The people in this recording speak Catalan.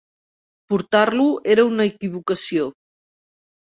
Portar-lo era una equivocació.